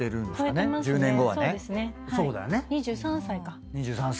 ２３歳か。